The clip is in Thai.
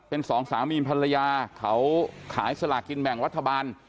เป็นสองสามีภรรยาเขาขายสลากินแบ่งรัฐบาล